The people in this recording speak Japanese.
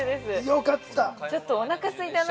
◆よかった。